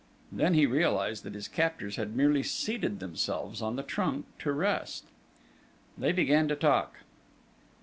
Then he realised that his captors had merely seated themselves on the trunk to rest! They began to talk.